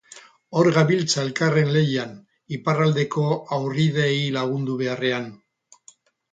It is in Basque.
Hor gabiltza elkarren lehian, Iparraldeko haurrideei lagundu beharrean